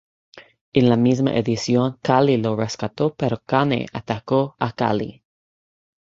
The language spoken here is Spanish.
En esa misma edición, Khali lo rescató, pero Kane atacó a Khali.